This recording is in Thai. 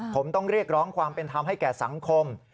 ผมต้องเรียกร้องความเป็นธรรมให้แก่สังคม